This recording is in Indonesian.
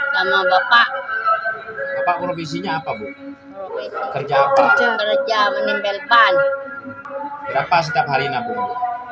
sama bapak bapak provisinya apa bu kerja kerja menempel ban berapa setiap hari nabung sepuluh